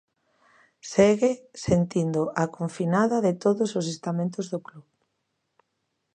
Segue sentindo a confinada de todos os estamentos do club.